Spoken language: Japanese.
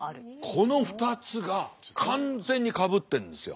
この２つが完全にかぶってるんですよ。